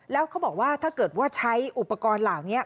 แล้วเขาบอกว่าถ้าเกิดว่าใช้อุปกรณ์เหล่านี้